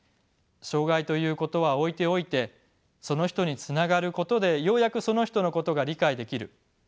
障がいということは置いておいてその人につながることでようやくその人のことが理解できる。